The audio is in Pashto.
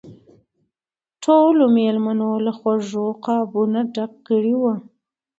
ټولو مېلمنو له خوړو قابونه ډک کړي وو.